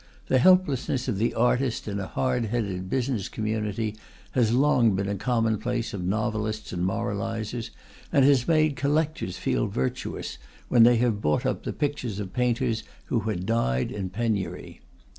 The helplessness of the artist in a hard headed business community has long been a commonplace of novelists and moralizers, and has made collectors feel virtuous when they bought up the pictures of painters who had died in penury.